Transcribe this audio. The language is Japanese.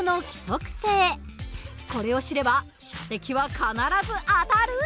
これを知れば射的は必ず当たる！